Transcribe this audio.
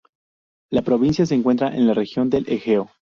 La provincia se encuentra en la Región del Egeo.